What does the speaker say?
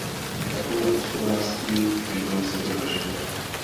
Takové hospodářství by bylo sebevražedné.